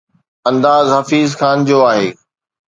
انداز حفيظ خان جو آهي.